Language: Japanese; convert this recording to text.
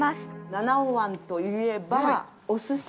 七尾湾といえば、おすし。